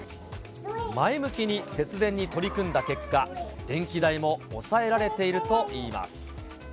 前向きに節電に取り組んだ結果、電気代も抑えられているといいます。